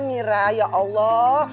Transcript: mirah ya allah